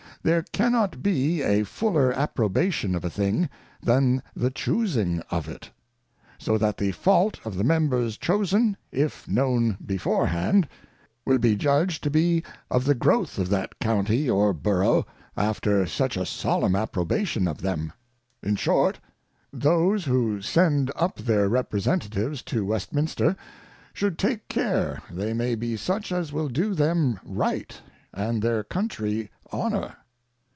There cannot be a fuller Approbation of a thing, than the Chusing of it; so that the fault of the Members chosen, if known before hand, will be judged to be of the growth of that County or Borough, after such a solemn Approbation of them. In short, those who send up their Representatives to West minster, should take care they may be such as will do them Right, and their Countrey Honour.